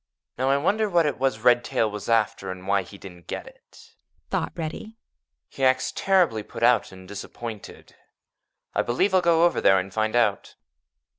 "Now, I wonder what it was Redtail was after and why he didn't get it," thought Reddy. "He acts terribly put out and disappointed. I believe I'll go over there and find out."